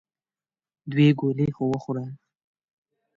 دوې ګولې خو وخوره !